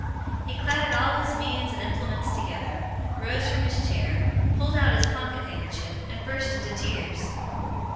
He clattered all his means and implements together, rose from his chair, pulled out his pocket handkerchief, and burst into tears.